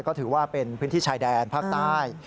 ก็ถือว่าเป็นพื้นที่ชายแดนภาคใต้